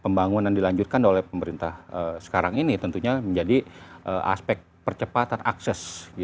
pembangunan dilanjutkan oleh pemerintah sekarang ini tentunya menjadi aspek percepatan akses